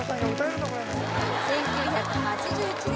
１９８１年